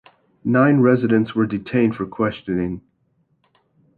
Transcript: Nine residents were detained for questioning.